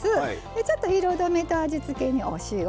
ちょっと色止めと味付けにお塩。